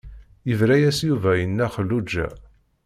Yebra-yas Yuba i Nna Xelluǧa.